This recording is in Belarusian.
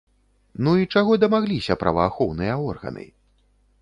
Ну і чаго дамагліся праваахоўныя органы?